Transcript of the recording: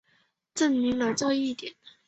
证明了这一点。